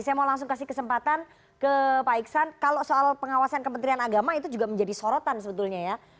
saya mau langsung kasih kesempatan ke pak iksan kalau soal pengawasan kementerian agama itu juga menjadi sorotan sebetulnya ya